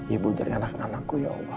ibu dari anak anakku ya allah